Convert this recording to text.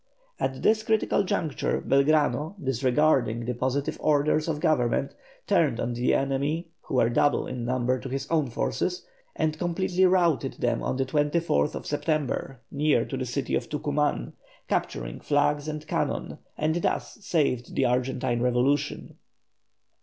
At this critical juncture Belgrano, disregarding the positive orders of Government, turned on the enemy, who were double in number to his own forces, and completely routed them on the 24th September, near to the city of Tucuman, capturing flags and cannon, and thus saved the Argentine revolution.